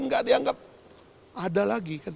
gak dianggap ada lagi